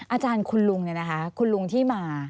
อาจารย์คุณลุงเนี่ยนะคะคุณลุงที่มา